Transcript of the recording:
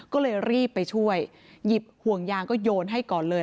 ก็เลยรีบไปช่วยหยิบห่วงยางก็โยนให้ก่อนเลย